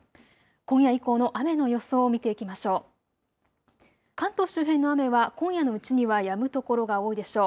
今夜以降の雨の予想を見ていきましょう。